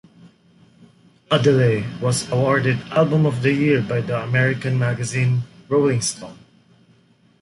Odelay was awarded Album of the Year by the American magazine Rolling Stone.